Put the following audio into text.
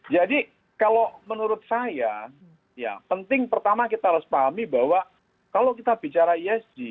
jadi kalau menurut saya ya penting pertama kita harus pahami bahwa kalau kita bicara esg